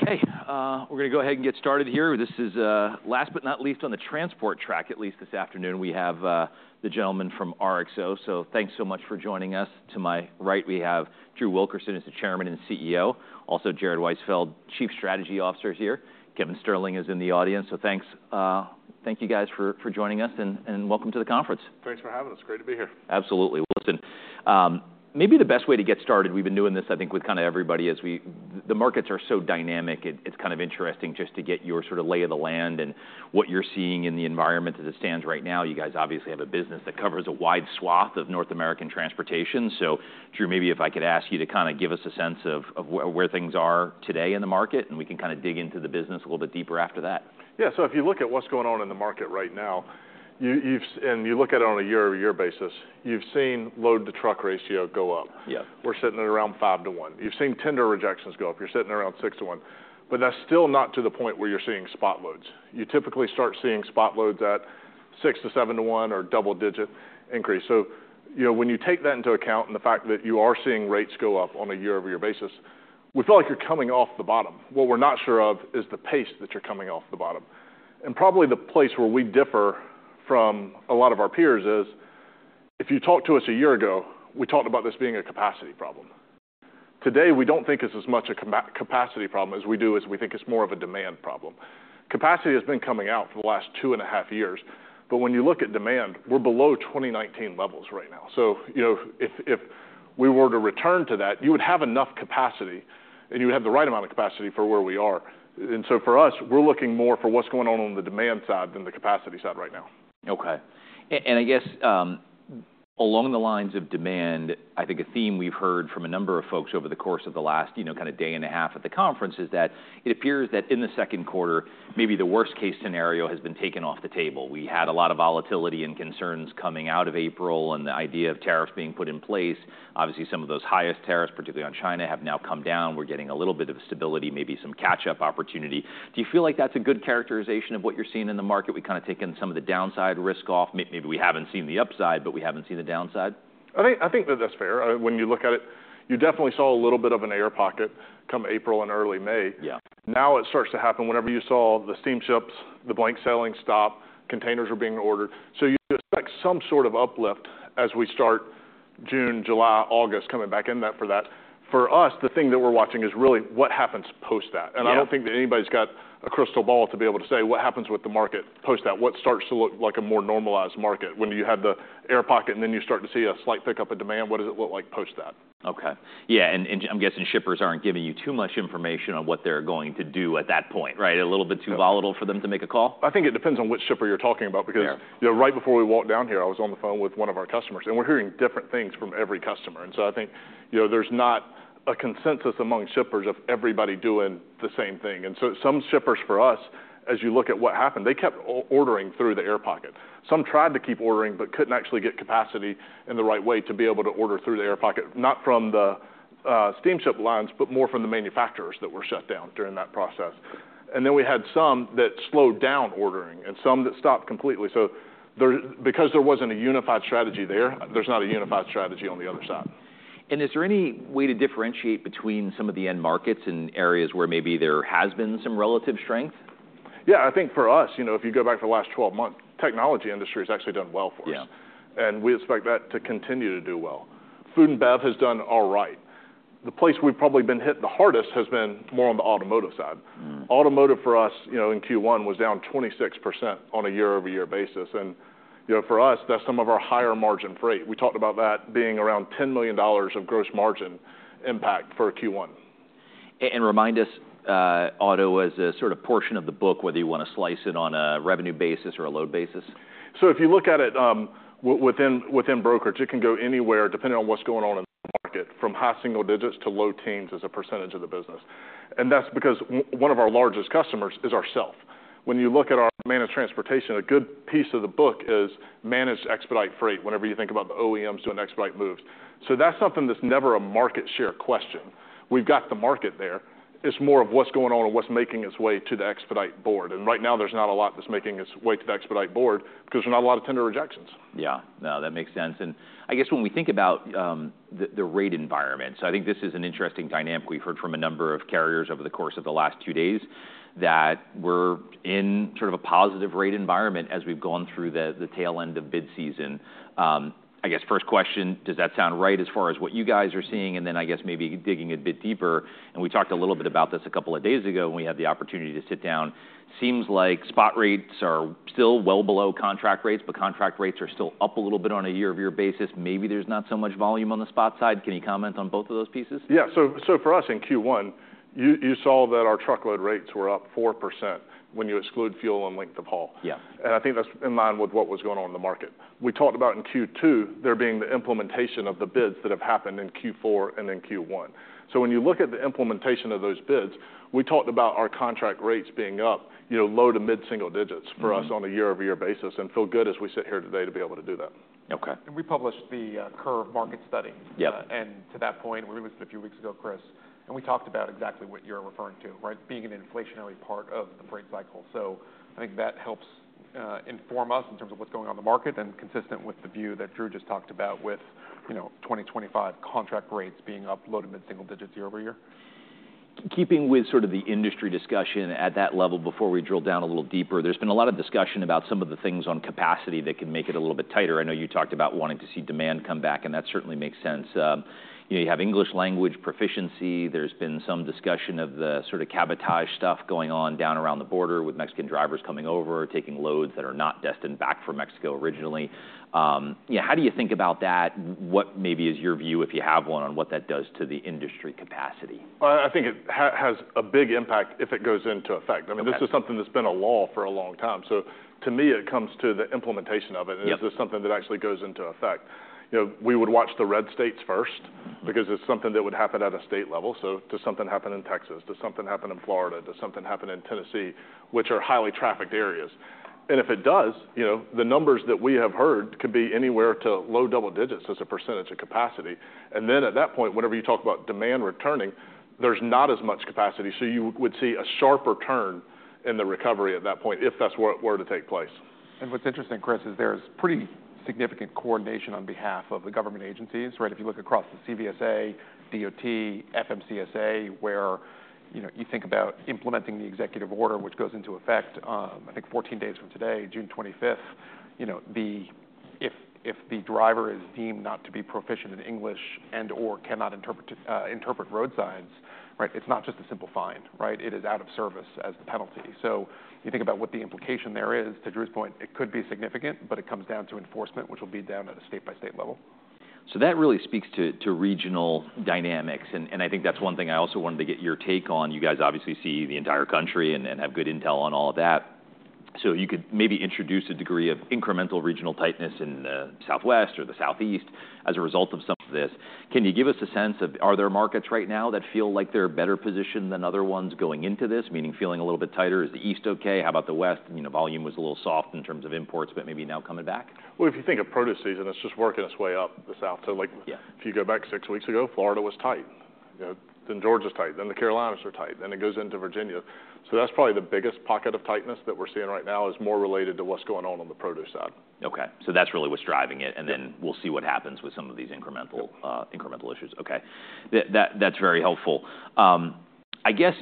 Okay, we're going to go ahead and get started here. This is, last but not least on the transport track, at least this afternoon. We have the gentleman from RXO, so thanks so much for joining us. To my right, we have Drew Wilkerson as the Chairman and CEO, also Jared Weisfeld, Chief Strategy Officer here. Kevin Sterling is in the audience, so thanks, thank you guys for joining us and welcome to the conference. Thanks for having us. Great to be here. Absolutely. Maybe the best way to get started—I think we've been doing this with kind of everybody—is the markets are so dynamic. It's kind of interesting just to get your sort of lay of the land and what you're seeing in the environment as it stands right now. You guys obviously have a business that covers a wide swath of North American transportation. Drew, maybe if I could ask you to kind of give us a sense of where things are today in the market, and we can kind of dig into the business a little bit deeper after that. Yeah, so if you look at what's going on in the market right now, you've—and you look at it on a year-over-year basis—you've seen load-to-truck ratio go up. Yeah. We're sitting at around five to one. You've seen tender rejections go up. You're sitting around six to one. But that's still not to the point where you're seeing spot loads. You typically start seeing spot loads at six to seven to one or double-digit increase. So, you know, when you take that into account and the fact that you are seeing rates go up on a year-over-year basis, we feel like you're coming off the bottom. What we're not sure of is the pace that you're coming off the bottom. And probably the place where we differ from a lot of our peers is, if you talked to us a year ago, we talked about this being a capacity problem. Today, we don't think it's as much a capacity problem as we do as we think it's more of a demand problem. Capacity has been coming out for the last 2.5 years, but when you look at demand, we're below 2019 levels right now. You know, if we were to return to that, you would have enough capacity, and you would have the right amount of capacity for where we are. For us, we're looking more for what's going on on the demand side than the capacity side right now. Okay. I guess, along the lines of demand, I think a theme we've heard from a number of folks over the course of the last, you know, kind of day and a half at the conference is that it appears that in the second quarter, maybe the worst-case scenario has been taken off the table. We had a lot of volatility and concerns coming out of April and the idea of tariffs being put in place. Obviously, some of those highest tariffs, particularly on China, have now come down. We're getting a little bit of stability, maybe some catch-up opportunity. Do you feel like that's a good characterization of what you're seeing in the market? We kind of take in some of the downside risk off. Maybe we haven't seen the upside, but we haven't seen the downside. I think that that's fair. When you look at it, you definitely saw a little bit of an air pocket come April and early May. Yeah. Now it starts to happen whenever you saw the steamships, the blank sailing stop, containers are being ordered. You expect some sort of uplift as we start June, July, August coming back in for that. For us, the thing that we're watching is really what happens post that. I don't think that anybody's got a crystal ball to be able to say what happens with the market post that. What starts to look like a more normalized market when you have the air pocket and then you start to see a slight pickup in demand? What does it look like post that? Okay. Yeah, and I'm guessing shippers aren't giving you too much information on what they're going to do at that point, right? A little bit too volatile for them to make a call? I think it depends on which shipper you're talking about because, you know, right before we walked down here, I was on the phone with one of our customers, and we're hearing different things from every customer. I think, you know, there's not a consensus among shippers of everybody doing the same thing. Some shippers, for us, as you look at what happened, they kept ordering through the air pocket. Some tried to keep ordering but could not actually get capacity in the right way to be able to order through the air pocket, not from the steamship lines, but more from the manufacturers that were shut down during that process. Then we had some that slowed down ordering and some that stopped completely. Because there was not a unified strategy there, there's not a unified strategy on the other side. Is there any way to differentiate between some of the end markets and areas where maybe there has been some relative strength? Yeah, I think for us, you know, if you go back the last 12 months, technology industry has actually done well for us. Yeah. We expect that to continue to do well. Food and Bev has done all right. The place we've probably been hit the hardest has been more on the automotive side. Automotive for us, you know, in Q1 was down 26% on a year-over-year basis. You know, for us, that's some of our higher margin freight. We talked about that being around $10 million of gross margin impact for Q1. Remind us, auto as a sort of portion of the book, whether you want to slice it on a revenue basis or a load basis. If you look at it, within brokers, it can go anywhere depending on what's going on in the market, from high single digits to low teens as a percentage of the business. That's because one of our largest customers is ourself. When you look at our managed transportation, a good piece of the book is managed expedite freight, whenever you think about the OEMs doing expedite moves. That's something that's never a market share question. We've got the market there. It's more of what's going on and what's making its way to the expedite board. Right now, there's not a lot that's making its way to the expedite board because there's not a lot of tender rejections. Yeah. No, that makes sense. I guess when we think about the rate environment, I think this is an interesting dynamic. We've heard from a number of carriers over the course of the last two days that we're in sort of a positive rate environment as we've gone through the tail end of bid season. I guess first question, does that sound right as far as what you guys are seeing? I guess maybe digging a bit deeper, and we talked a little bit about this a couple of days ago when we had the opportunity to sit down, seems like spot rates are still well below contract rates, but contract rates are still up a little bit on a year-over-year basis. Maybe there's not so much volume on the spot side. Can you comment on both of those pieces? Yeah. For us in Q1, you saw that our truckload rates were up 4% when you exclude fuel and length of haul. Yeah. I think that's in line with what was going on in the market. We talked about in Q2 there being the implementation of the bids that have happened in Q4 and in Q1. When you look at the implementation of those bids, we talked about our contract rates being up, you know, low to mid-single digits for us on a year-over-year basis and feel good as we sit here today to be able to do that. Okay. We published the curve market study. Yeah. To that point, we released it a few weeks ago, Chris, and we talked about exactly what you're referring to, right, being an inflationary part of the freight cycle. I think that helps inform us in terms of what's going on in the market and consistent with the view that Drew just talked about with, you know, 2025 contract rates being up, low to mid-single digits year-over-year. Keeping with sort of the industry discussion at that level, before we drill down a little deeper, there's been a lot of discussion about some of the things on capacity that can make it a little bit tighter. I know you talked about wanting to see demand come back, and that certainly makes sense. You know, you have English language proficiency. There's been some discussion of the sort of cabotage stuff going on down around the border with Mexican drivers coming over, taking loads that are not destined back for Mexico originally. You know, how do you think about that? What maybe is your view, if you have one, on what that does to the industry capacity? I think it has a big impact if it goes into effect. I mean, this is something that's been a law for a long time. To me, it comes to the implementation of it. Yeah. Is this something that actually goes into effect? You know, we would watch the red states first because it is something that would happen at a state level. Does something happen in Texas? Does something happen in Florida? Does something happen in Tennessee, which are highly trafficked areas? If it does, you know, the numbers that we have heard could be anywhere to low double digits as a percentage of capacity. At that point, whenever you talk about demand returning, there is not as much capacity. You would see a sharper turn in the recovery at that point if that is where it were to take place. What's interesting, Chris, is there's pretty significant coordination on behalf of the government agencies, right? If you look across the CVSA, DOT, FMCSA, where, you know, you think about implementing the executive order which goes into effect, I think 14 days from today, June 25th, you know, if the driver is deemed not to be proficient in English and or cannot interpret road signs, right, it's not just a simple fine, right? It is out of service as the penalty. You think about what the implication there is. To Drew's point, it could be significant, but it comes down to enforcement, which will be down at a state-by-state level. That really speaks to regional dynamics. I think that's one thing I also wanted to get your take on. You guys obviously see the entire country and have good intel on all of that. You could maybe introduce a degree of incremental regional tightness in the Southwest or the Southeast as a result of some of this. Can you give us a sense of, are there markets right now that feel like they're better positioned than other ones going into this, meaning feeling a little bit tighter? Is the East okay? How about the West? You know, volume was a little soft in terms of imports, but maybe now coming back. If you think of produce season, it's just working its way up the South to like. Yeah. If you go back six weeks ago, Florida was tight. You know, then Georgia's tight, then the Carolinas are tight, then it goes into Virginia. That's probably the biggest pocket of tightness that we're seeing right now is more related to what's going on on the produce side. Okay. So that's really what's driving it. And then we'll see what happens with some of these incremental issues. Okay. That's very helpful. I guess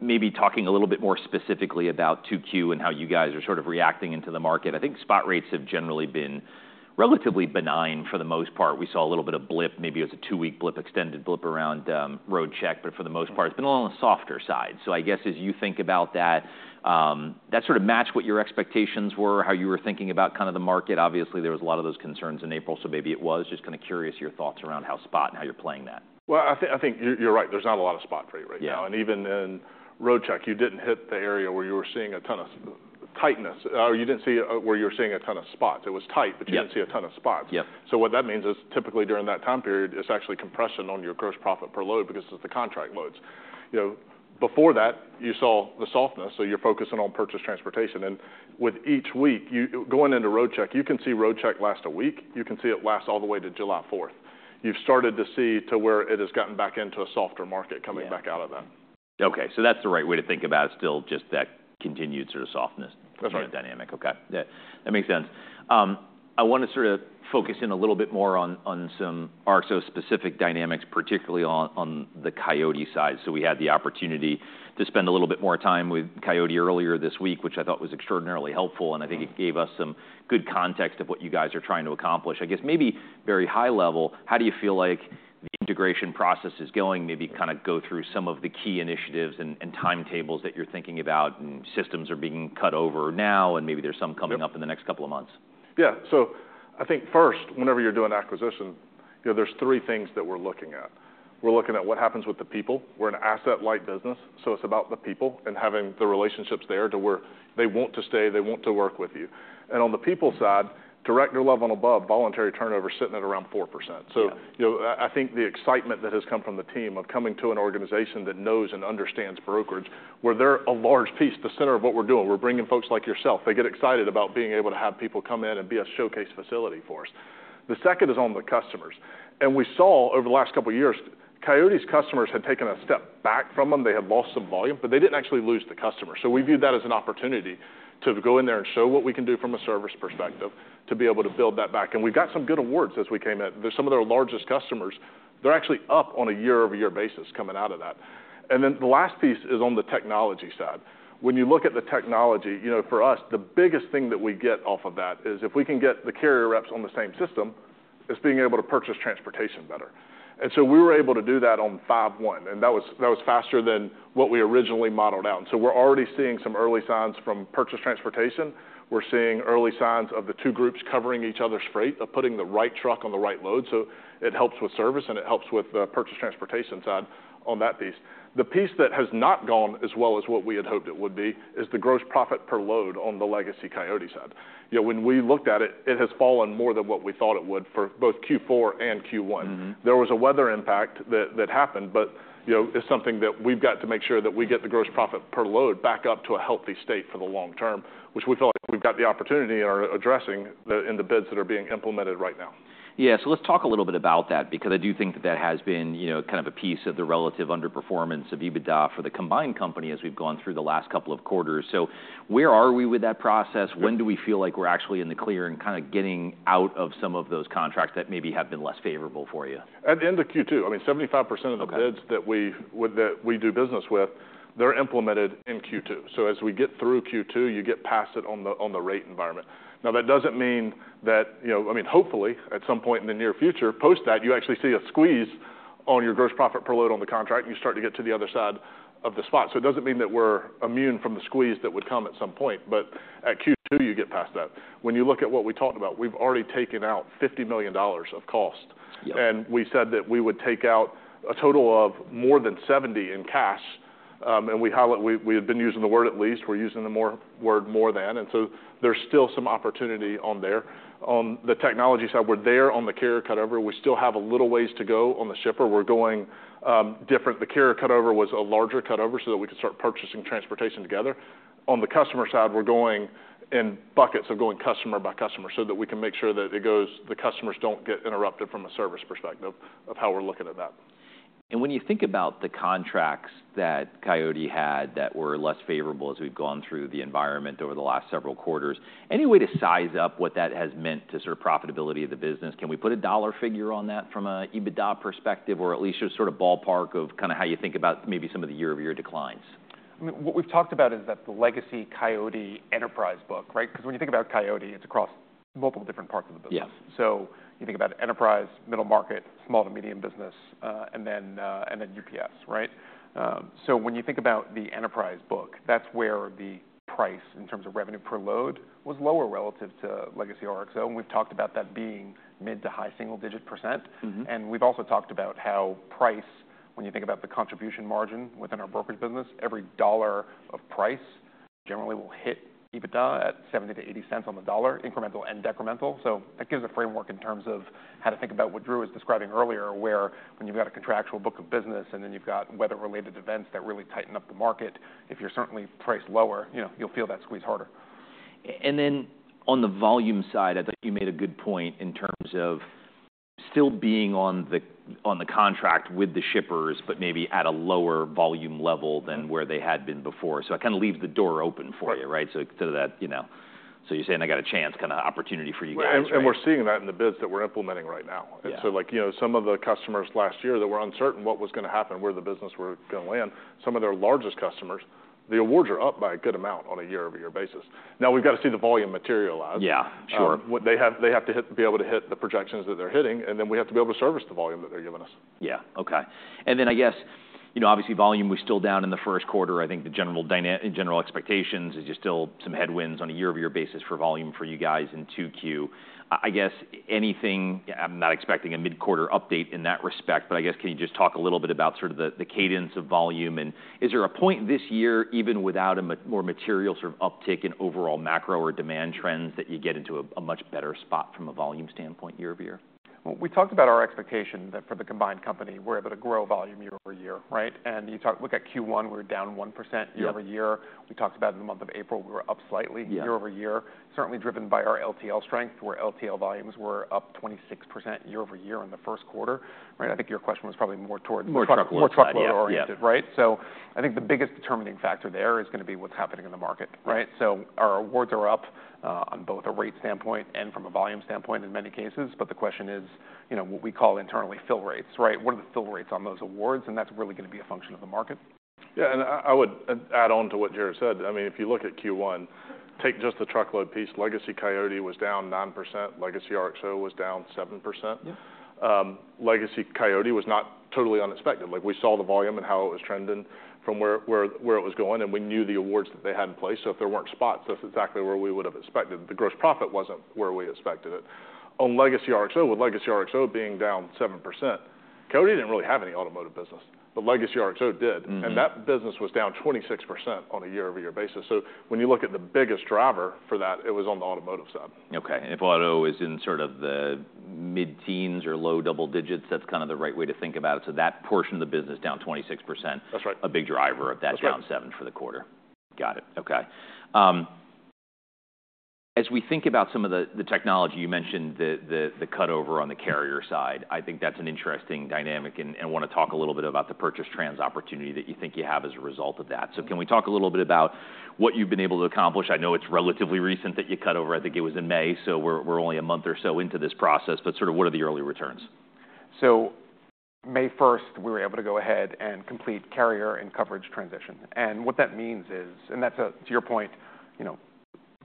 maybe talking a little bit more specifically about 2Q and how you guys are sort of reacting into the market. I think spot rates have generally been relatively benign for the most part. We saw a little bit of a blip, maybe it was a two-week blip, extended blip around road check, but for the most part, it's been a little on the softer side. I guess as you think about that, that sort of matched what your expectations were, how you were thinking about kind of the market. Obviously, there was a lot of those concerns in April, so maybe it was. Just kind of curious your thoughts around how spot and how you're playing that. I think you're right. There's not a lot of spot freight right now. Even in road check, you didn't hit the area where you were seeing a ton of tightness. You didn't see where you were seeing a ton of spots. It was tight, but you didn't see a ton of spots. Yeah. What that means is typically during that time period, it's actually compression on your gross profit per load because it's the contract loads. You know, before that, you saw the softness, so you're focusing on purchase transportation. With each week, going into road check, you can see road check lasts a week. You can see it lasts all the way to July 4th. You've started to see to where it has gotten back into a softer market coming back out of that. Okay. So that's the right way to think about it still, just that continued sort of softness. That's right. Dynamic. Okay. That makes sense. I want to sort of focus in a little bit more on some RXO-specific dynamics, particularly on the Coyote side. We had the opportunity to spend a little bit more time with Coyote earlier this week, which I thought was extraordinarily helpful. I think it gave us some good context of what you guys are trying to accomplish. I guess maybe very high level, how do you feel like the integration process is going? Maybe kind of go through some of the key initiatives and timetables that you're thinking about and systems are being cut over now, and maybe there's some coming up in the next couple of months. Yeah. I think first, whenever you're doing acquisition, you know, there's three things that we're looking at. We're looking at what happens with the people. We're an asset-light business, so it's about the people and having the relationships there to where they want to stay, they want to work with you. On the people side, director level and above, voluntary turnover sitting at around 4%. You know, I think the excitement that has come from the team of coming to an organization that knows and understands brokers, where they're a large piece, the center of what we're doing, we're bringing folks like yourself. They get excited about being able to have people come in and be a showcase facility for us. The second is on the customers. We saw over the last couple of years, Coyote's customers had taken a step back from them. They had lost some volume, but they did not actually lose the customer. We viewed that as an opportunity to go in there and show what we can do from a service perspective to be able to build that back. We have got some good awards as we came in. There are some of their largest customers. They are actually up on a year-over-year basis coming out of that. The last piece is on the technology side. When you look at the technology, you know, for us, the biggest thing that we get off of that is if we can get the carrier reps on the same system, it is being able to purchase transportation better. We were able to do that on 5/1, and that was faster than what we originally modeled out. We are already seeing some early signs from purchase transportation. We're seeing early signs of the two groups covering each other's freight, of putting the right truck on the right load. It helps with service and it helps with the purchase transportation side on that piece. The piece that has not gone as well as what we had hoped it would be is the gross profit per load on the legacy Coyote side. You know, when we looked at it, it has fallen more than what we thought it would for both Q4 and Q1. There was a weather impact that happened, but, you know, it's something that we've got to make sure that we get the gross profit per load back up to a healthy state for the long term, which we feel like we've got the opportunity and are addressing in the bids that are being implemented right now. Yeah. So let's talk a little bit about that because I do think that that has been, you know, kind of a piece of the relative underperformance of EBITDA for the combined company as we've gone through the last couple of quarters. So where are we with that process? When do we feel like we're actually in the clear and kind of getting out of some of those contracts that maybe have been less favorable for you? At the end of Q2, I mean, 75% of the bids that we do business with, they're implemented in Q2. As we get through Q2, you get past it on the rate environment. Now, that doesn't mean that, you know, I mean, hopefully at some point in the near future, post that, you actually see a squeeze on your gross profit per load on the contract and you start to get to the other side of the spot. It doesn't mean that we're immune from the squeeze that would come at some point, but at Q2, you get past that. When you look at what we talked about, we've already taken out $50 million of cost. Yeah. We said that we would take out a total of more than $70 million in cash. We had been using the word at least. We're using the word more than. There is still some opportunity on there. On the technology side, we're there on the carrier cutover. We still have a little ways to go on the shipper. We're going different. The carrier cutover was a larger cutover so that we could start purchasing transportation together. On the customer side, we're going in buckets of going customer-by-customer so that we can make sure that it goes, the customers do not get interrupted from a service perspective of how we're looking at that. When you think about the contracts that Coyote had that were less favorable as we've gone through the environment over the last several quarters, any way to size up what that has meant to sort of profitability of the business? Can we put a dollar figure on that from an EBITDA perspective or at least just sort of ballpark of kind of how you think about maybe some of the year-over-year declines? I mean, what we've talked about is that the legacy Coyote Enterprise book, right? Because when you think about Coyote, it's across multiple different parts of the business. Yeah. You think about enterprise, middle market, small to medium business, and then UPS, right? When you think about the enterprise book, that's where the price in terms of revenue per load was lower relative to legacy RXO. We've talked about that being mid to high single digit percent. We've also talked about how price, when you think about the contribution margin within our brokerage business, every dollar of price generally will hit EBITDA at $0.70-$0.80 on the dollar, incremental and decremental. That gives a framework in terms of how to think about what Drew was describing earlier, where when you've got a contractual book of business and then you've got weather-related events that really tighten up the market, if you're certainly priced lower, you know, you'll feel that squeeze harder. On the volume side, I think you made a good point in terms of still being on the contract with the shippers, but maybe at a lower volume level than where they had been before. It kind of leaves the door open for you, right? Instead of that, you know, you are saying I got a chance, kind of opportunity for you guys. Right. We're seeing that in the bids that we're implementing right now. Yeah. Like, you know, some of the customers last year that were uncertain what was going to happen, where the business were going to land, some of their largest customers, the awards are up by a good amount on a year-over-year basis. Now we've got to see the volume materialize. Yeah. Sure. They have to be able to hit the projections that they're hitting, and then we have to be able to service the volume that they're giving us. Yeah. Okay. I guess, you know, obviously volume was still down in the first quarter. I think the general expectation is you're still some headwinds on a year-over-year basis for volume for you guys in 2Q. I guess anything, I'm not expecting a mid-quarter update in that respect, but I guess can you just talk a little bit about sort of the cadence of volume? Is there a point this year, even without a more material sort of uptick in overall macro or demand trends, that you get into a much better spot from a volume standpoint year-over-year? We talked about our expectation that for the combined company, we're able to grow volume year-over-year, right? You look at Q1, we were down 1% year-over-year. We talked about in the month of April, we were up slightly year-over-year, certainly driven by our LTL strength, where LTL volumes were up 26% year-over-year in the first quarter, right? I think your question was probably more towards. More truckloads. More truckload oriented, right? I think the biggest determining factor there is going to be what's happening in the market, right? Our awards are up on both a rate standpoint and from a volume standpoint in many cases, but the question is, you know, what we call internally fill rates, right? What are the fill rates on those awards? That's really going to be a function of the market. Yeah. I would add on to what Jared said. I mean, if you look at Q1, take just the truckload piece. Legacy Coyote was down 9%. Legacy RXO was down 7%. Legacy Coyote was not totally unexpected. Like we saw the volume and how it was trending from where it was going, and we knew the awards that they had in place. If there were not spots, that is exactly where we would have expected. The gross profit was not where we expected it. On legacy RXO, with legacy RXO being down 7%, Coyote did not really have any automotive business, but legacy RXO did. That business was down 26% on a year-over-year basis. When you look at the biggest driver for that, it was on the automotive side. Okay. If auto is in sort of the mid-teens or low double digits, that's kind of the right way to think about it. That portion of the business down 26%. That's right. A big driver of that down 7% for the quarter. Got it. Okay. As we think about some of the technology, you mentioned the cutover on the carrier side. I think that's an interesting dynamic and want to talk a little bit about the purchase trans opportunity that you think you have as a result of that. Can we talk a little bit about what you've been able to accomplish? I know it's relatively recent that you cut over. I think it was in May, so we're only a month or so into this process, but sort of what are the early returns? May 1st, we were able to go ahead and complete carrier and coverage transition. What that means is, and that's to your point, you know,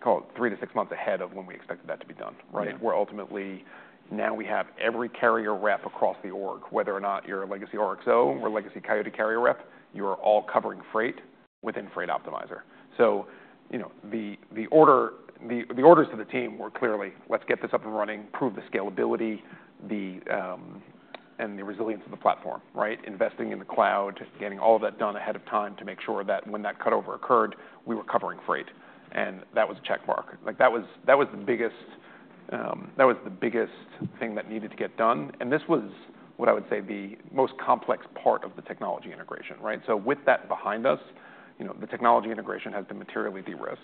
call it 3-6 months ahead of when we expected that to be done, right? Where ultimately now we have every carrier rep across the org, whether or not you're a legacy RXO or legacy Coyote carrier rep, you are all covering freight within freight optimizer. You know, the orders to the team were clearly, let's get this up and running, prove the scalability and the resilience of the platform, right? Investing in the cloud, getting all of that done ahead of time to make sure that when that cutover occurred, we were covering freight. That was a check mark. Like that was the biggest thing that needed to get done. This was what I would say the most complex part of the technology integration, right? With that behind us, you know, the technology integration has been materially de-risked.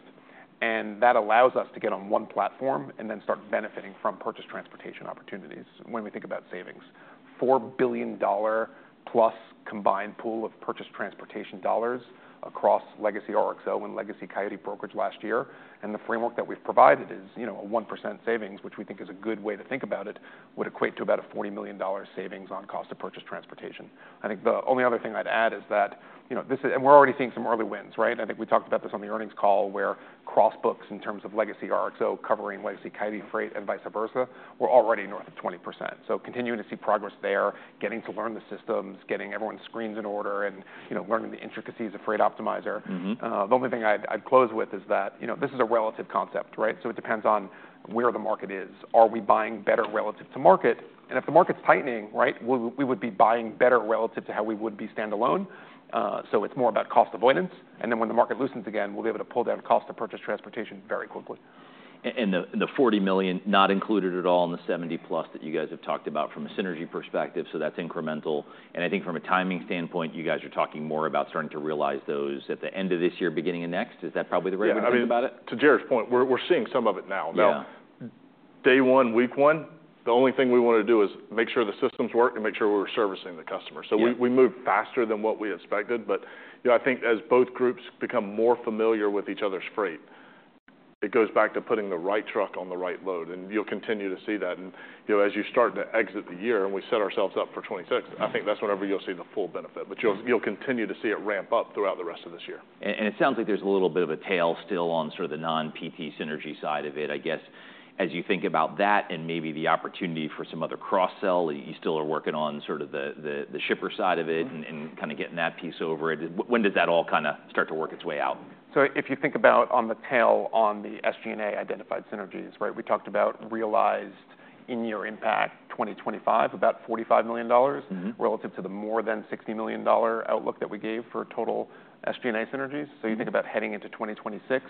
That allows us to get on one platform and then start benefiting from purchase transportation opportunities when we think about savings. $4 billion+ combined pool of purchase transportation dollars across legacy RXO and legacy Coyote brokerage last year. The framework that we've provided is, you know, a 1% savings, which we think is a good way to think about it, would equate to about a $40 million savings on cost of purchase transportation. I think the only other thing I'd add is that, you know, this is, and we're already seeing some early wins, right? I think we talked about this on the earnings call where crossbooks in terms of legacy RXO covering legacy Coyote freight and vice versa were already north of 20%. Continuing to see progress there, getting to learn the systems, getting everyone's screens in order and, you know, learning the intricacies of freight optimizer. The only thing I'd close with is that, you know, this is a relative concept, right? It depends on where the market is. Are we buying better relative to market? If the market's tightening, right, we would be buying better relative to how we would be standalone. It's more about cost avoidance. When the market loosens again, we'll be able to pull down cost of purchase transportation very quickly. The $40 million not included at all in the $70 million+ that you guys have talked about from a synergy perspective. That is incremental. I think from a timing standpoint, you guys are talking more about starting to realize those at the end of this year, beginning of next. Is that probably the right way to think about it? To Jared's point, we're seeing some of it now. Yeah. Day one, week one, the only thing we wanted to do is make sure the systems work and make sure we were servicing the customer. We moved faster than what we expected. But, you know, I think as both groups become more familiar with each other's freight, it goes back to putting the right truck on the right load. You'll continue to see that. You know, as you start to exit the year and we set ourselves up for 2026, I think that's whenever you'll see the full benefit, but you'll continue to see it ramp up throughout the rest of this year. It sounds like there's a little bit of a tail still on sort of the non-PT synergy side of it. I guess as you think about that and maybe the opportunity for some other cross-sell, you still are working on sort of the shipper side of it and kind of getting that piece over it. When does that all kind of start to work its way out? If you think about on the tail on the SG&A identified synergies, right, we talked about realized in year impact 2025, about $45 million relative to the more than $60 million outlook that we gave for total SG&A synergies. You think about heading into 2026,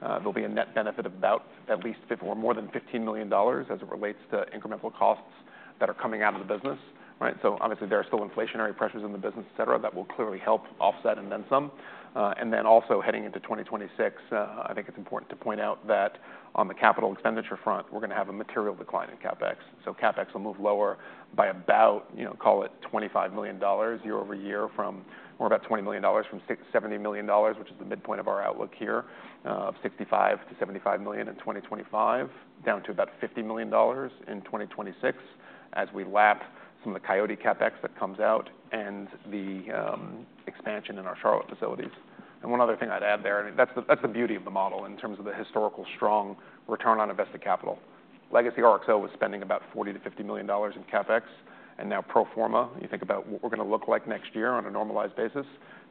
there will be a net benefit of about at least more than $15 million as it relates to incremental costs that are coming out of the business, right? Obviously there are still inflationary pressures in the business, et cetera, that will clearly help offset and then some. Also heading into 2026, I think it is important to point out that on the capital expenditure front, we are going to have a material decline in CapEx. CapEx will move lower by about, you know, call it $25 million year-over-year from more about $20 million from $70 million, which is the midpoint of our outlook here, of $65 million-$75 million in 2025, down to about $50 million in 2026 as we lap some of the Coyote CapEx that comes out and the expansion in our Charlotte facilities. One other thing I'd add there, and that's the beauty of the model in terms of the historical strong return on invested capital. Legacy RXO was spending about $40 million-$50 million in CapEx. Now pro forma, you think about what we're going to look like next year on a normalized basis,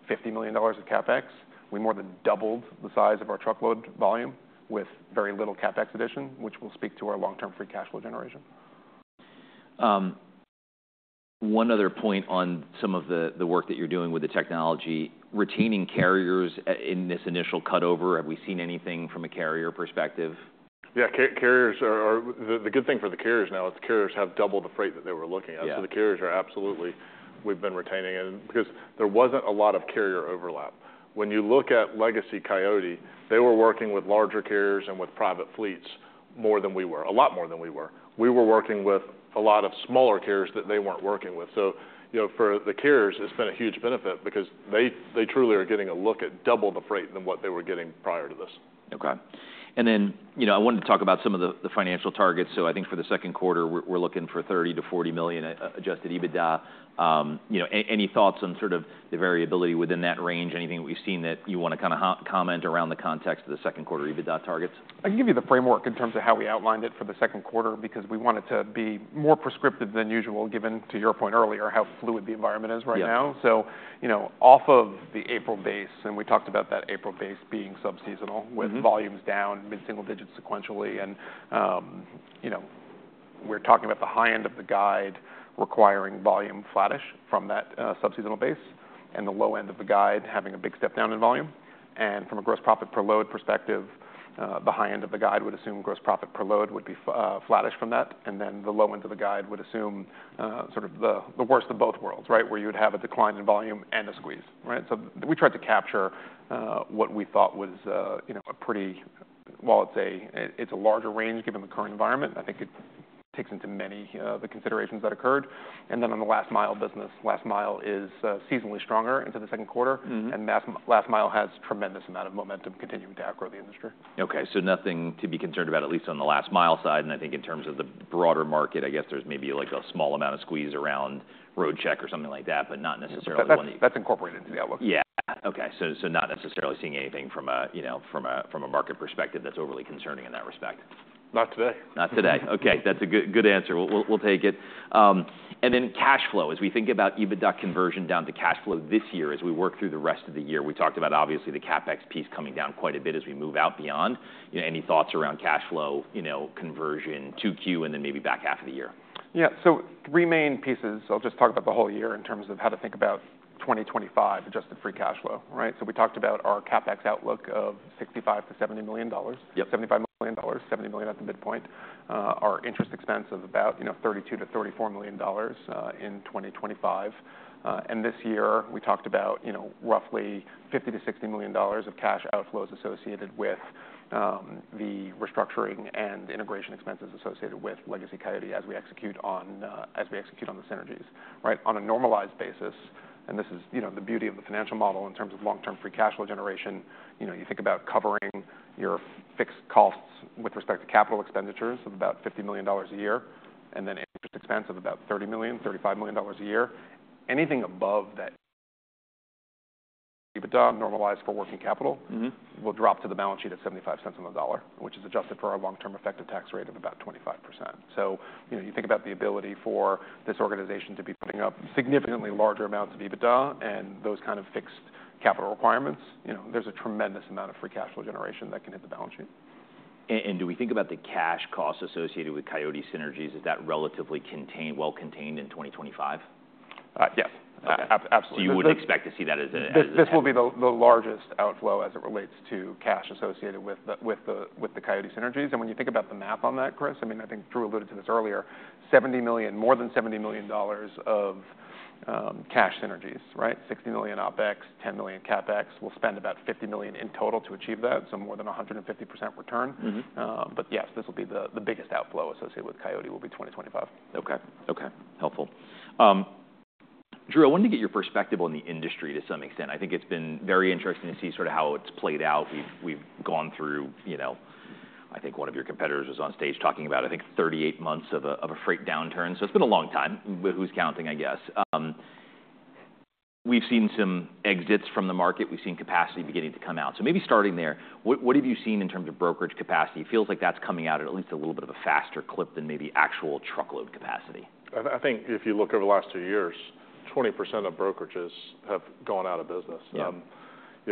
$50 million of CapEx. We more than doubled the size of our truckload volume with very little CapEx addition, which will speak to our long-term free cash flow generation. One other point on some of the work that you're doing with the technology, retaining carriers in this initial cutover, have we seen anything from a carrier perspective? Yeah. The good thing for the carriers now is the carriers have doubled the freight that they were looking at. So the carriers are absolutely, we've been retaining it because there wasn't a lot of carrier overlap. When you look at legacy Coyote, they were working with larger carriers and with private fleets more than we were, a lot more than we were. We were working with a lot of smaller carriers that they weren't working with. So, you know, for the carriers, it's been a huge benefit because they truly are getting a look at double the freight than what they were getting prior to this. Okay. And then, you know, I wanted to talk about some of the financial targets. So I think for the second quarter, we're looking for $30 million-$40 million adjusted EBITDA. You know, any thoughts on sort of the variability within that range? Anything that we've seen that you want to kind of comment around the context of the second quarter EBITDA targets? I can give you the framework in terms of how we outlined it for the second quarter because we wanted to be more prescriptive than usual, given to your point earlier, how fluid the environment is right now. You know, off of the April base, and we talked about that April base being subseasonal with volumes down mid-single digits sequentially. You know, we're talking about the high end of the guide requiring volume flattish from that subseasonal base and the low end of the guide having a big step down in volume. From a gross profit per load perspective, the high end of the guide would assume gross profit per load would be flattish from that. The low end of the guide would assume sort of the worst of both worlds, right? Where you would have a decline in volume and a squeeze, right? We tried to capture what we thought was, you know, a pretty, while it's a larger range given the current environment, I think it takes into many of the considerations that occurred. Then on the last-mile business, last-mile is seasonally stronger into the second quarter. Last-mile has a tremendous amount of momentum continuing to outgrow the industry. Okay. Nothing to be concerned about, at least on the last-mile side. I think in terms of the broader market, I guess there's maybe like a small amount of squeeze around road check or something like that, but not necessarily. That's incorporated into the outlook. Yeah. Okay. So not necessarily seeing anything from a, you know, from a market perspective that's overly concerning in that respect. Not today. Not today. Okay. That is a good answer. We will take it. And then cash flow, as we think about EBITDA conversion down to cash flow this year as we work through the rest of the year, we talked about obviously the CapEx piece coming down quite a bit as we move out beyond. Any thoughts around cash flow, you know, conversion 2Q and then maybe back half of the year? Yeah. Three main pieces. I'll just talk about the whole year in terms of how to think about 2025 adjusted free cash flow, right? We talked about our CapEx outlook of $65 million-$75 million, $70 million at the midpoint, our interest expense of about, you know, $32 million-$34 million in 2025. This year we talked about, you know, roughly $50 million-$60 million of cash outflows associated with the restructuring and integration expenses associated with legacy Coyote as we execute on the synergies, right? On a normalized basis, and this is, you know, the beauty of the financial model in terms of long-term free cash flow generation, you know, you think about covering your fixed costs with respect to capital expenditures of about $50 million a year and then interest expense of about $30 million-$35 million a year. Anything above that EBITDA normalized for working capital will drop to the balance sheet at $0.75 on the dollar, which is adjusted for our long-term effective tax rate of about 25%. You know, you think about the ability for this organization to be putting up significantly larger amounts of EBITDA and those kind of fixed capital requirements, you know, there is a tremendous amount of free cash flow generation that can hit the balance sheet. Do we think about the cash costs associated with Coyote synergies? Is that relatively well contained in 2025? Yes. Absolutely. You would expect to see that as a? This will be the largest outflow as it relates to cash associated with the Coyote synergies. When you think about the math on that, Chris, I mean, I think Drew alluded to this earlier, $70 million, more than $70 million of cash synergies, right? $60 million OPEX, $10 million CapEx. We'll spend about $50 million in total to achieve that. More than 150% return. Yes, this will be the biggest outflow associated with Coyote will be 2025. Okay. Okay. Helpful. Drew, I wanted to get your perspective on the industry to some extent. I think it's been very interesting to see sort of how it's played out. We've gone through, you know, I think one of your competitors was on stage talking about, I think, 38 months of a freight downturn. It's been a long time. But who's counting, I guess? We've seen some exits from the market. We've seen capacity beginning to come out. Maybe starting there, what have you seen in terms of brokerage capacity? It feels like that's coming out at least a little bit of a faster clip than maybe actual truckload capacity. I think if you look over the last two years, 20% of brokerages have gone out of business. You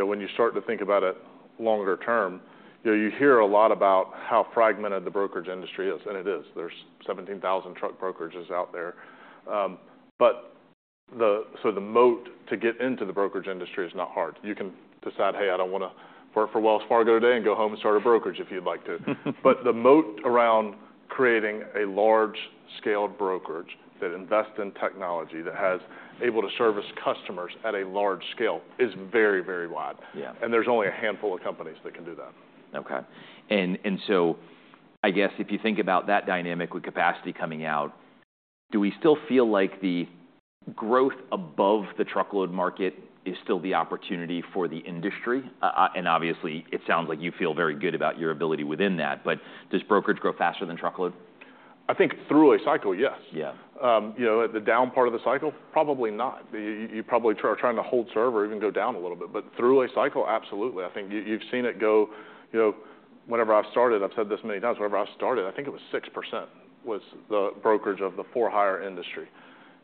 know, when you start to think about it longer term, you hear a lot about how fragmented the brokerage industry is. And it is. There are 17,000 truck brokerages out there. The moat to get into the brokerage industry is not hard. You can decide, hey, I do not want to work for Wells Fargo today and go home and start a brokerage if you would like to. The moat around creating a large-scale brokerage that invests in technology that has been able to service customers at a large scale is very, very wide. There are only a handful of companies that can do that. Okay. I guess if you think about that dynamic with capacity coming out, do we still feel like the growth above the truckload market is still the opportunity for the industry? Obviously it sounds like you feel very good about your ability within that, but does brokerage grow faster than truckload? I think through a cycle, yes. Yeah. You know, the down part of the cycle, probably not. You probably are trying to hold serve or even go down a little bit. Through a cycle, absolutely. I think you've seen it go, you know, whenever I've started, I've said this many times, whenever I started, I think it was 6% was the brokerage of the for-hire industry.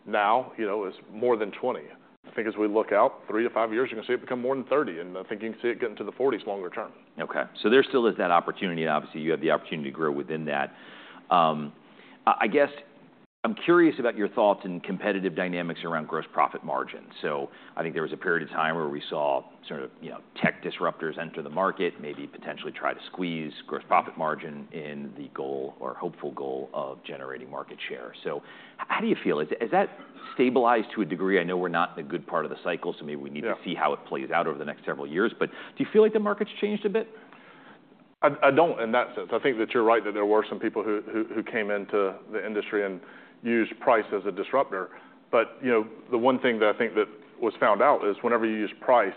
Now, you know, it's more than 20%. I think as we look out, 3-5 years, you're going to see it become more than 30%. I think you can see it getting to the 40% longer term. Okay. So there still is that opportunity. Obviously, you have the opportunity to grow within that. I guess I'm curious about your thoughts in competitive dynamics around gross profit margin. I think there was a period of time where we saw sort of, you know, tech disruptors enter the market, maybe potentially try to squeeze gross profit margin in the goal or hopeful goal of generating market share. How do you feel? Has that stabilized to a degree? I know we're not in a good part of the cycle, so maybe we need to see how it plays out over the next several years. Do you feel like the market's changed a bit? I don't in that sense. I think that you're right that there were some people who came into the industry and used price as a disruptor. But, you know, the one thing that I think that was found out is whenever you use price,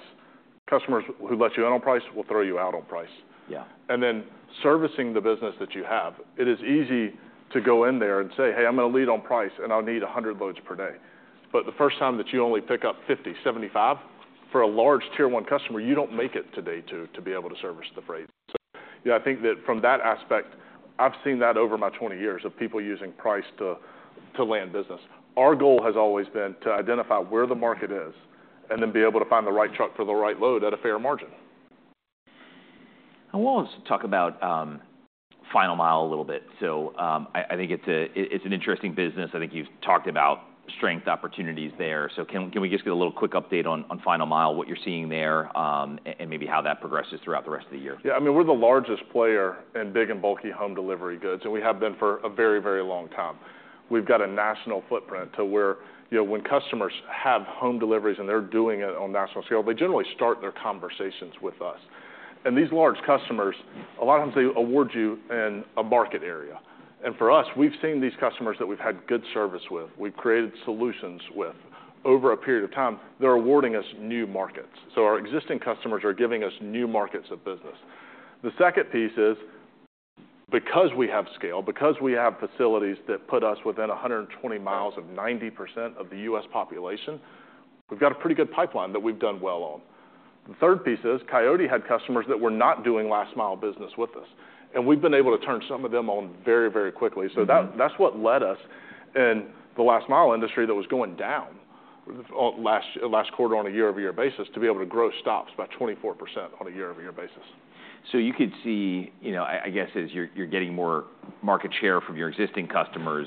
customers who let you in on price will throw you out on price. Yeah, and then servicing the business that you have, it is easy to go in there and say, hey, I'm going to lead on price and I'll need 100 loads per day. But the first time that you only pick up 50, 75 for a large tier one customer, you don't make it today to be able to service the freight. So, you know, I think that from that aspect, I've seen that over my 20 years of people using price to land business. Our goal has always been to identify where the market is and then be able to find the right truck for the right load at a fair margin. I want to talk about final-mile a little bit. I think it's an interesting business. I think you've talked about strength opportunities there. Can we just get a little quick update on final-mile, what you're seeing there and maybe how that progresses throughout the rest of the year? Yeah. I mean, we're the largest player in big and bulky home delivery goods, and we have been for a very, very long time. We've got a national footprint to where, you know, when customers have home deliveries and they're doing it on a national scale, they generally start their conversations with us. These large customers, a lot of times they award you in a market area. For us, we've seen these customers that we've had good service with, we've created solutions with over a period of time, they're awarding us new markets. Our existing customers are giving us new markets of business. The second piece is because we have scale, because we have facilities that put us within 120 mi of 90% of the U.S. population, we've got a pretty good pipeline that we've done well on. The third piece is Coyote had customers that were not doing last-mile business with us, and we've been able to turn some of them on very, very quickly. That is what led us in the last-mile industry that was going down last quarter on a year-over-year basis to be able to grow stops by 24% on a year-over-year basis. You could see, you know, I guess as you're getting more market share from your existing customers,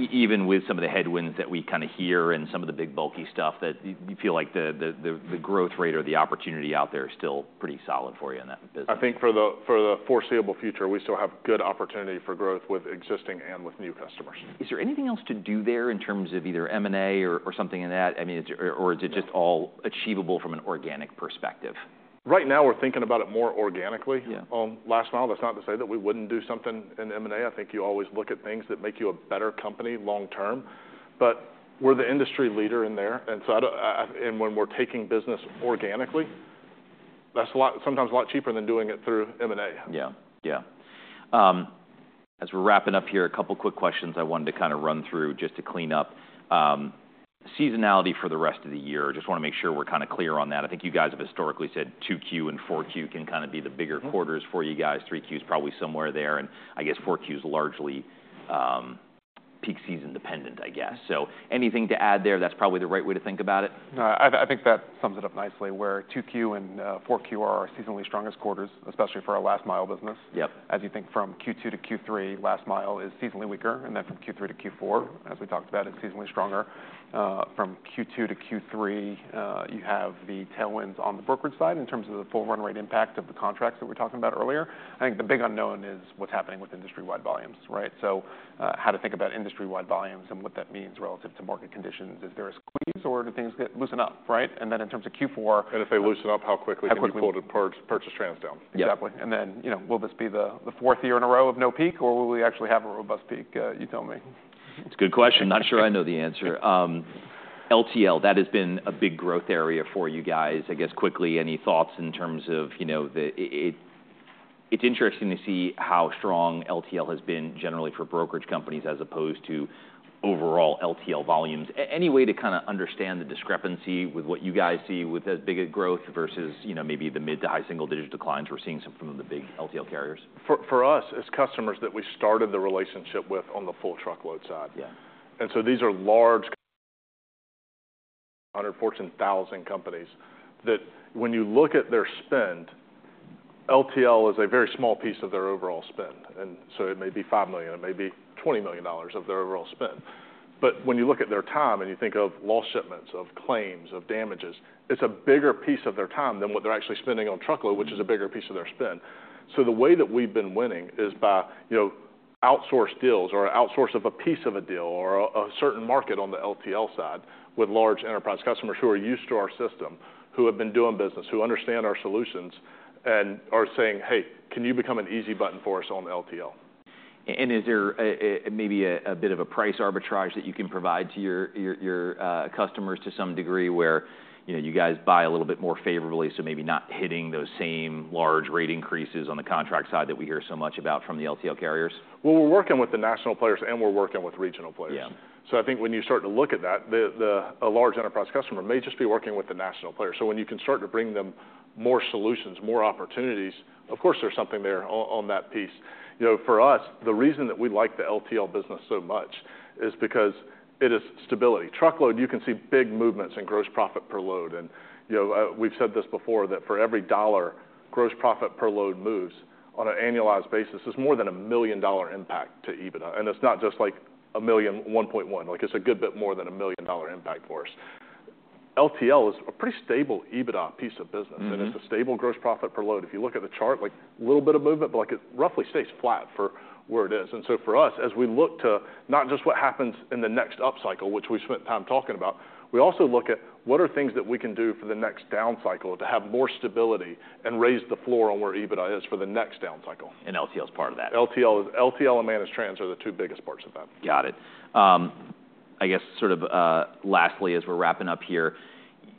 even with some of the headwinds that we kind of hear and some of the big bulky stuff, that you feel like the growth rate or the opportunity out there is still pretty solid for you in that business? I think for the foreseeable future, we still have good opportunity for growth with existing and with new customers. Is there anything else to do there in terms of either M&A or something in that? I mean, or is it just all achievable from an organic perspective? Right now we're thinking about it more organically on last-mile. That's not to say that we wouldn't do something in M&A. I think you always look at things that make you a better company long term. We're the industry leader in there. When we're taking business organically, that's sometimes a lot cheaper than doing it through M&A. Yeah. Yeah. As we're wrapping up here, a couple of quick questions I wanted to kind of run through just to clean up seasonality for the rest of the year. Just want to make sure we're kind of clear on that. I think you guys have historically said 2Q and 4Q can kind of be the bigger quarters for you guys. 3Q is probably somewhere there. I guess 4Q is largely peak season dependent, I guess. Anything to add there? That's probably the right way to think about it. No, I think that sums it up nicely where 2Q and 4Q are our seasonally strongest quarters, especially for our last mile business. As you think from Q2-Q3, last-mile is seasonally weaker. From Q3 -Q4, as we talked about, it is seasonally stronger. From Q2-Q3, you have the tailwinds on the brokerage side in terms of the full run rate impact of the contracts that we were talking about earlier. I think the big unknown is what is happening with industry-wide volumes, right? How to think about industry-wide volumes and what that means relative to market conditions. Is there a squeeze or do things get loosened up, right? In terms of Q4. If they loosen up, how quickly can you pull the purchase trends down? Exactly. And then, you know, will this be the fourth year in a row of no peak, or will we actually have a robust peak? You tell me. It's a good question. Not sure I know the answer. LTL, that has been a big growth area for you guys. I guess quickly, any thoughts in terms of, you know, it's interesting to see how strong LTL has been generally for brokerage companies as opposed to overall LTL volumes. Any way to kind of understand the discrepancy with what you guys see with as big a growth versus, you know, maybe the mid to high single digit declines we're seeing from the big LTL carriers? For us as customers that we started the relationship with on the full truckload side. These are large, 114,000 companies that when you look at their spend, LTL is a very small piece of their overall spend. It may be $5 million, it may be $20 million of their overall spend. When you look at their time and you think of lost shipments, of claims, of damages, it is a bigger piece of their time than what they are actually spending on truckload, which is a bigger piece of their spend. The way that we've been winning is by, you know, outsourced deals or outsource of a piece of a deal or a certain market on the LTL side with large enterprise customers who are used to our system, who have been doing business, who understand our solutions and are saying, hey, can you become an easy button for us on the LTL? Is there maybe a bit of a price arbitrage that you can provide to your customers to some degree where you guys buy a little bit more favorably, so maybe not hitting those same large rate increases on the contract side that we hear so much about from the LTL carriers? We're working with the national players and we're working with regional players. I think when you start to look at that, a large enterprise customer may just be working with the national players. When you can start to bring them more solutions, more opportunities, of course there's something there on that piece. You know, for us, the reason that we like the LTL business so much is because it is stability. Truckload, you can see big movements in gross profit per load. You know, we've said this before that for every dollar gross profit per load moves on an annualized basis, there's more than a $1 million impact to EBITDA. It's not just like a million, $1.1 million. Like it's a good bit more than a $1 million impact for us. LTL is a pretty stable EBITDA piece of business. It is a stable gross profit per load. If you look at the chart, like a little bit of movement, but like it roughly stays flat for where it is. For us, as we look to not just what happens in the next upcycle, which we spent time talking about, we also look at what are things that we can do for the next down cycle to have more stability and raise the floor on where EBITDA is for the next down cycle. LTL is part of that. LTL and managed trends are the two biggest parts of that. Got it. I guess sort of lastly, as we're wrapping up here,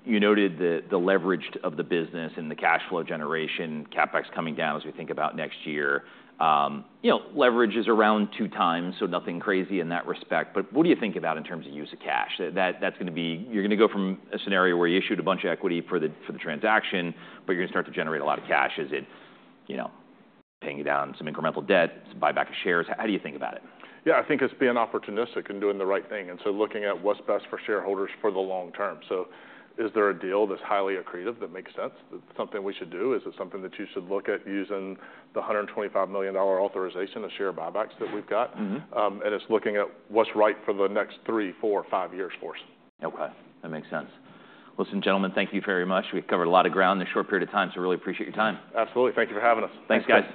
you noted the leverage of the business and the cash flow generation, CapEx coming down as we think about next year. You know, leverage is around 2x, so nothing crazy in that respect. But what do you think about in terms of use of cash? That's going to be, you're going to go from a scenario where you issued a bunch of equity for the transaction, but you're going to start to generate a lot of cash. Is it, you know, paying down some incremental debt, some buyback of shares? How do you think about it? Yeah, I think it's being opportunistic and doing the right thing. It's looking at what's best for shareholders for the long term. Is there a deal that's highly accretive that makes sense? That's something we should do. Is it something that you should look at using the $125 million authorization of share buybacks that we've got? It's looking at what's right for the next three, four, five years for us. Okay. That makes sense. Some gentlemen, thank you very much. We've covered a lot of ground in a short period of time. I really appreciate your time. Absolutely. Thank you for having us. Thanks, guys.